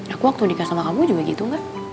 aku waktu nikah sama kamu juga gitu gak